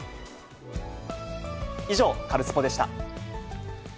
以上、カルスポっ！でした。